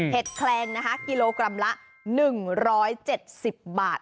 เห็ดแคลงกิโลกรัมละ๑๗๐บาท